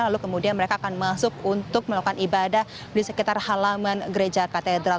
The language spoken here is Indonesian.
lalu kemudian mereka akan masuk untuk melakukan ibadah di sekitar halaman gereja katedral